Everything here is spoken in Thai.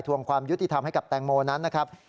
ความยุติธรรมให้กับแตงโมนั้นนะครับ